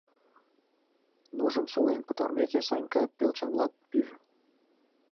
Нужым солен пытарымеке, Санька пелчанлан пиже.